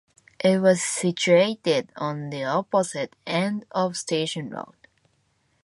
It was situated on the opposite end of Station Road.